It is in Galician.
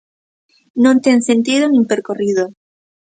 Non ten sentido nin percorrido.